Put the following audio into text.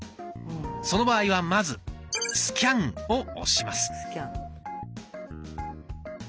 その場合はまず「スキャン」を押します。